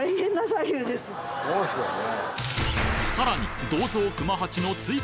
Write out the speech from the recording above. そうですよね。